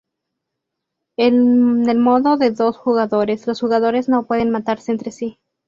En el modo de dos jugadores, los jugadores no pueden matarse entre sí.